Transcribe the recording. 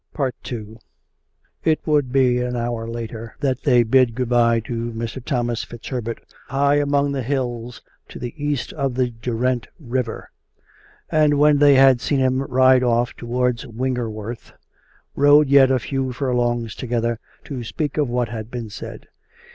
II It would be an hour later that they bid good bye to Mr. Thomas FitzHerbert, high among the hills to the east of the Derwent river ; and when they had seen him ride off towards Wingerworth, rode yet a few furlongs together to speak of what had been said.